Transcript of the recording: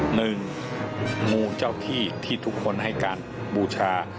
หนึ่งงูเจ้าที่ที่ทุกคนให้การบูชา